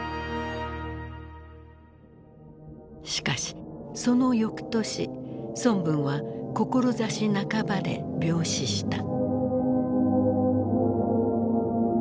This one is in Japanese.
しかしその翌年孫文は志半ばで病死した。